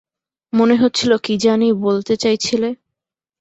মনে হচ্ছিল কি জানি বলতে চাইছিলে?